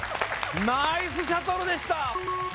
ナイスシャトルでした！